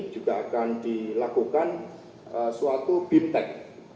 juga akan dilakukan suatu bimtek